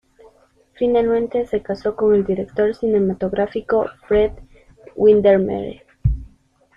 Finalmente se casó con el director cinematográfico Fred Windermere.